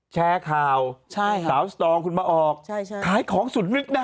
แชร์ข่าวสาวสตองคุณมาออกขายของสุดนึกได้